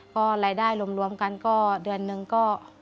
ก็รายได้รวมกันก็เดือนหนึ่งก็